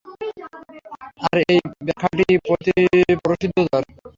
আর এই ব্যাখ্যাটি প্রসিদ্ধতর।